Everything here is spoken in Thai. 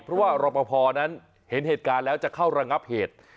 เพราะว่ารอปภนั้นเห็นเหตุการณ์แล้วจะเข้าระงับเหตุ